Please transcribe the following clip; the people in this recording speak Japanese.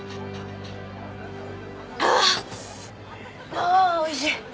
ああおいしい。